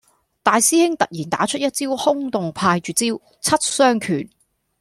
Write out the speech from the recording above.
大師兄突然打出一招崆峒派絕招，七傷拳